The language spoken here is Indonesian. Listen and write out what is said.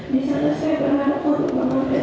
di sana saya berharap untuk mengamalkan